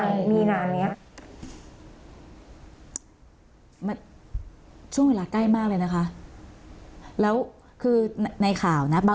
อันนั้นเราไม่รู้วันเวลาเนี่ยแต่รู้แต่ว่าเป็นช่วงปิดเทิมเดือนมีนา